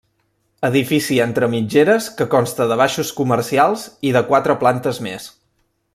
Edifici entre mitgeres que consta de baixos comercials i de quatre plantes més.